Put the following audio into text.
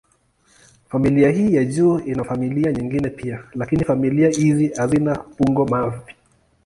Familia hii ya juu ina familia nyingine pia, lakini familia hizi hazina bungo-mavi.